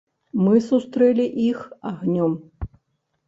Мы сустрэлі іх агнём.